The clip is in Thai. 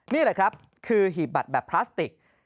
นี่แหละครับคือหีบบัตรแบบพลาสติก